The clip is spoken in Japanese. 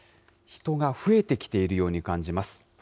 人が増えてきているように感じます。